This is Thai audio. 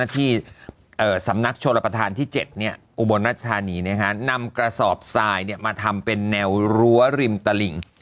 ที่สำนักโชลประธานที่๗อุบลรัชธานีนำกระสอบทรายมาทำเป็นแนวรั้วริมตลิ่ง